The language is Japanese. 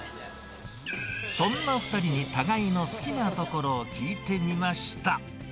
そんな２人に互いの好きなところを聞いてみました。